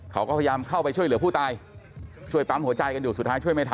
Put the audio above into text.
เขาก็พยายามเข้าไปช่วยเหลือผู้ตายช่วยปั๊มหัวใจกันอยู่สุดท้ายช่วยไม่ทัน